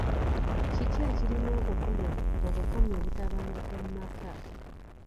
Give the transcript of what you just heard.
Kiki ekirina okukolebwa okukomya obutabanguko mu maka?